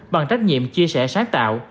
bằng trách nhiệm chia sẻ sáng tạo